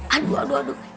aduh aduh aduh